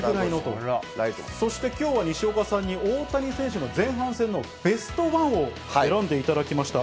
そしてきょうは西岡さんに、大谷選手の前半戦のベストワンを選んでいただきました。